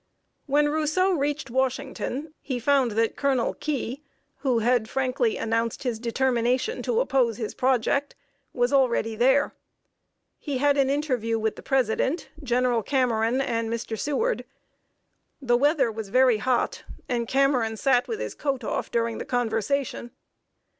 When Rousseau reached Washington, he found that Colonel Key, who had frankly announced his determination to oppose his project, was already there. He had an interview with the President, General Cameron, and Mr. Seward. The weather was very hot, and Cameron sat with his coat off during the conversation.